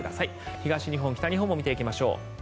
東日本、北日本見ていきましょう。